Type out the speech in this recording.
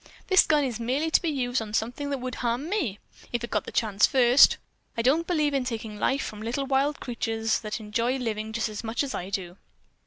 This gun is merely to be used on something that would harm me, if it got the chance first. I don't believe in taking life from a little wild creature that enjoys living just as much as I do."